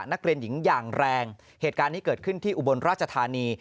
นักเรียนหญิงอย่างแรงเหตุการณ์นี้เกิดขึ้นที่อุบลราชธานี